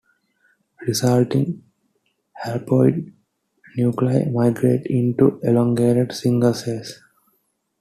Resulting haploid nuclei migrate into elongated single cells.